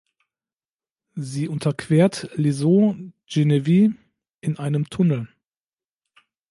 Sie unterquert Les Hauts-Geneveys in einem Tunnel.